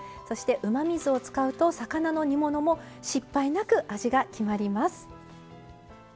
そしてうまみ酢を使うと魚の煮物も失敗なく味が決まります。